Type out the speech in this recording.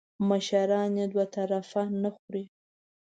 مشران یې دوه طرفه نه خوري .